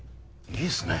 いいですね。